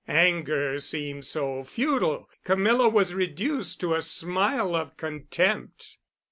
Anger seemed so futile, Camilla was reduced to a smile of contempt.